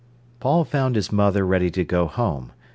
Paul found his mother ready to go home.